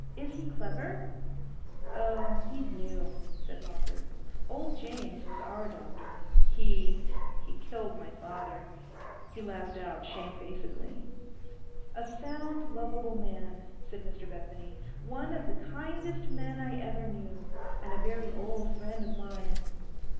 Is he clever?' 'Oh, he's new,' said Lawford; 'old James was our doctor. He—he killed my father.' He laughed out shamefacedly. 'A sound, lovable man,' said Mr Bethany, 'one of the kindest men I ever knew; and a very old friend of mine.